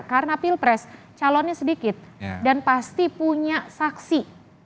karena pilpres calonnya sedikit dan pasti punya saksi